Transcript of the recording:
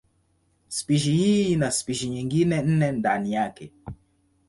Spishi hii ina spishi nyingine nne ndani yake.